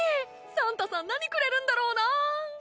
サンタさん何くれるんだろうな。